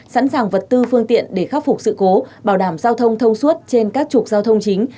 sẵn sàng vật tư phương tiện để khắc phục sự cố bảo đảm giao thông thông suốt trên các trục giao thông chính